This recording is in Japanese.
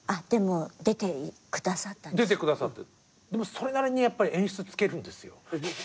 それなりに演出つけるんですよ。